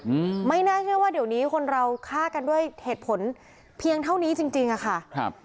อืมไม่น่าเชื่อว่าเดี๋ยวนี้คนเราฆ่ากันด้วยเหตุผลเพียงเท่านี้จริงจริงอ่ะค่ะครับ